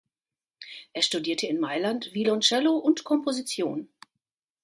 Er studierte in Mailand Violoncello und Komposition.